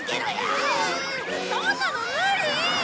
そんなの無理！